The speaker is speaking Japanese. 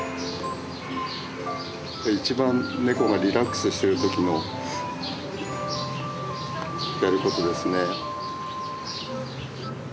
一番猫がリラックスしてる時のやることですね。